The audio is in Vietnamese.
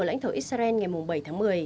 lãnh thổ israel ngày bảy một mươi